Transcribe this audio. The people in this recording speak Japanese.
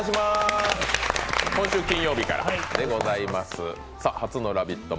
今週金曜日からでございます。